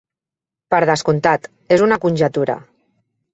Per descomptat, és una conjectura.